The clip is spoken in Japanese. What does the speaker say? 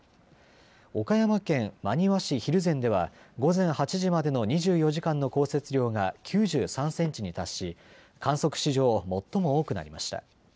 岡山県真庭市蒜山では午前８時までの２４時間の降雪量が９３センチに達し観測史上最も多くなりました。